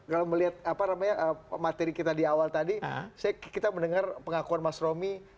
kalau melihat apa namanya materi kita di awal tadi kita mendengar pengakuan mas romi